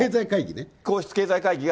皇室経済会議ね。